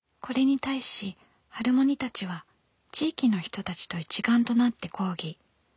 これに対しハルモニたちは地域の人たちと一丸となって抗議。